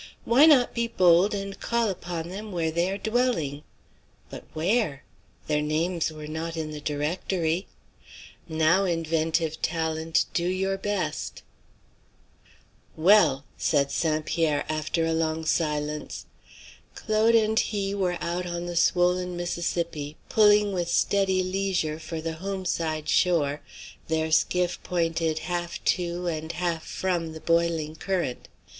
Why not be bold and call upon them where they were dwelling? But where? Their names were not in the directory. Now, inventive talent, do your best. "Well!" said St. Pierre after a long silence. Claude and he were out on the swollen Mississippi pulling with steady leisure for the home side shore, their skiff pointed half to and half from the boiling current.